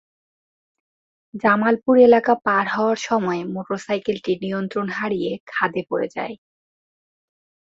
জামালপুর এলাকা পার হওয়ার সময় মোটরসাইকেলটি নিয়ন্ত্রণ হারিয়ে খাদে পড়ে যায়।